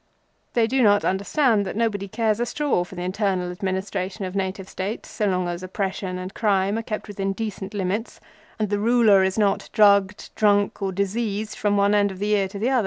They do not understand that nobody cares a straw for the internal administration of Native States so long as oppression and crime are kept within decent limits, and the ruler is not drugged, drunk, or diseased from one end of the year to the other.